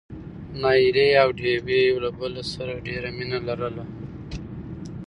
نايلې او ډوېوې يو له بل سره ډېره مينه لرله.